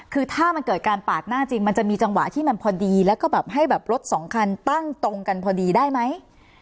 คือถ้ามันเกิดการปาดหน้าจริงมันจะมีจังหวะที่มันพอดีแล้วก็แบบให้แบบรถสองคันตั้งตรงกันพอดีได้ไหม